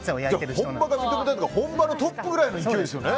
本場が認めたというか本場のトップくらいの勢いですね。